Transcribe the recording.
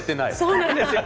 そうなんですよ。